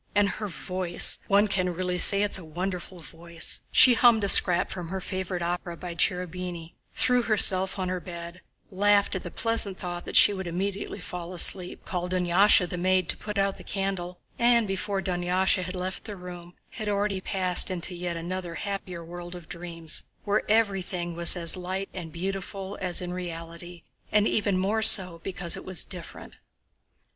and her voice! One can really say it's a wonderful voice!" She hummed a scrap from her favorite opera by Cherubini, threw herself on her bed, laughed at the pleasant thought that she would immediately fall asleep, called Dunyásha the maid to put out the candle, and before Dunyásha had left the room had already passed into yet another happier world of dreams, where everything was as light and beautiful as in reality, and even more so because it was different.